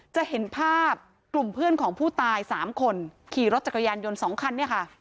จะเห็นภาพกลุ่มเพื่อนของผู้ตาย๓คนขี่รถจักรยานยนต์๒คันเนี่ยค่ะ